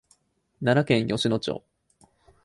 奈良県吉野町